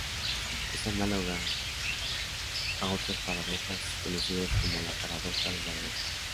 Es análoga a otras paradojas conocidas, como la Paradoja del barbero.